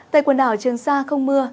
tại quần đảo trường sa không mưa